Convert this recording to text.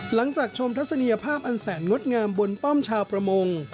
หลังจากชมทัศนียภาพอันแสนงดงามบนป้อมชาวประมง